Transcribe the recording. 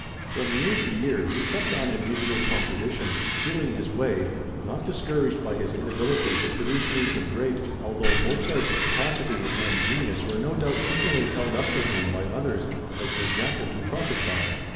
From year to year he kept on in musical composition, feeling his way, not discouraged by his inability to produce anything great, although Mozart's precocity and genius were no doubt frequently held up to him by others as an example to profit by.